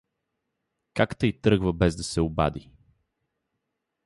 Как тъй тръгва, без да се обади!